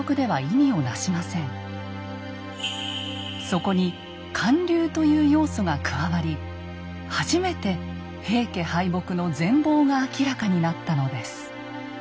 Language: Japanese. そこに還流という要素が加わり初めて平家敗北の全貌が明らかになったのです。